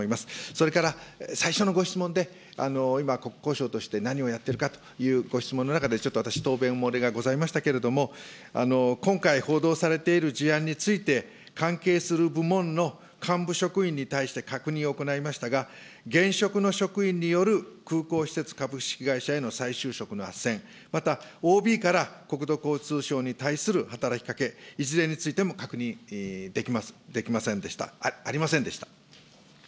それから最初のご質問で、今、国交省として何をやってるかというご質問の中で、ちょっと私答弁漏れがございましたけれども、今回、報道されている事案について、関係する部門の幹部職員に対して確認を行いましたが、現職の職員による空港施設株式会社への再就職のあっせん、また、ＯＢから国土交通省に対する働きかけ、いずれについても確認できませんでした、ありませんでした。